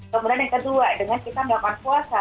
kemudian yang kedua dengan kita melakukan puasa